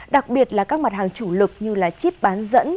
đặc biệt là các mặt hàng chủ lực như chip bán dẫn